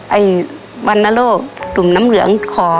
ไอ้วรรณโรคตุ่มน้ำเหลืองขอ